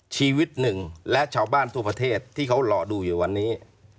ชีวิตหนึ่งและชาวบ้านทั่วประเทศที่เขารอดูอยู่วันนี้